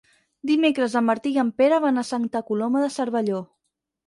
Dimecres en Martí i en Pere van a Santa Coloma de Cervelló.